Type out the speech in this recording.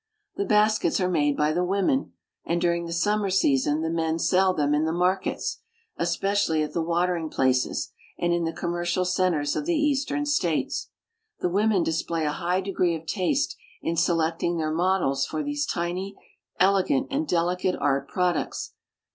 The baskets are made b\^ the women, and during the summer season the men sell them in the markets, especially at the watering places and in the commercial centers of the eastern states. The women display a high degree of taste in selecting their models for these tiny, elegant, and delicate art products.